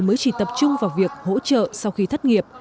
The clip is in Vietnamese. mới chỉ tập trung vào việc hỗ trợ sau khi thất nghiệp